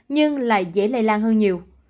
nhưng lại dễ lây lan hơn nhiều